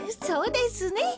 そうですね。